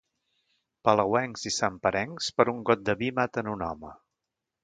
Palauencs i santperencs, per un got de vi, maten un home.